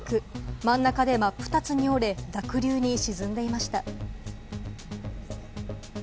真ん中で真っ二つに折れ、濁流に沈んでいました。